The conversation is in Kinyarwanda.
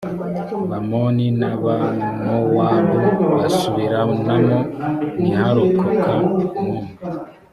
bamoni n’abamowabu basubiranamo ntiharokoka n’umwe